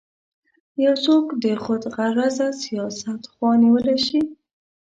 یو څوک د خودغرضه سیاست خوا نیولی شي.